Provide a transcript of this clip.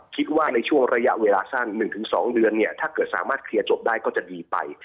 คิดว่าในช่วงระยะเวลาสั้น๑๒เดือนเนี่ยถ้าเกิดสามารถเคลียร์จบได้ก็จะดีไป